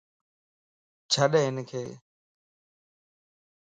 ڇڏ ھنکِ